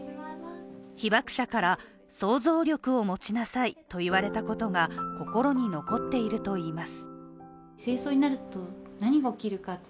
被爆者から、想像力を持ちなさいと言われたことが心に残っているといいます。